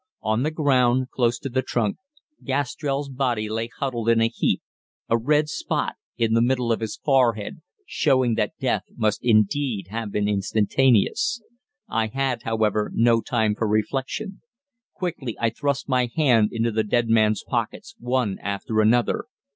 On the ground, close to the trunk, Gastrell's body lay huddled in a heap, a red spot in the middle of his forehead showing that death must indeed have been instantaneous. I had, however, no time for reflection. Quickly I thrust my hand into the dead man's pockets, one after another.